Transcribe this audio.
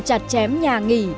chặt chém nhà nghỉ